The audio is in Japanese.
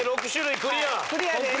クリアです。